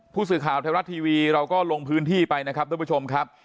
ผู้สื่อข่าวไทยรัฐทีวีเราก็ลงพื้นที่ไปนะครับทุกผู้ชมครับ